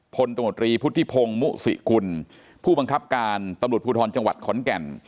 ตมตรีพุทธิพงศ์มุสิกุลผู้บังคับการตำรวจภูทรจังหวัดขอนแก่น